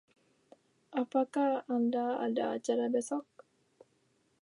Apakah Anda ada acara besok?